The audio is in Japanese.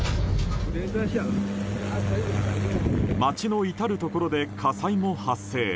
街の至るところで火災も発生。